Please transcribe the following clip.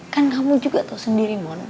kan kamu juga tau sendiri mon